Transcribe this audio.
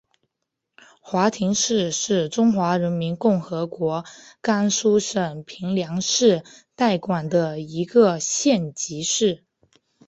华亭市是中华人民共和国甘肃省平凉市代管的一个县级市。